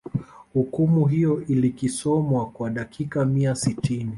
hukumu hiyo ilkisomwa kwa dakika mia sitini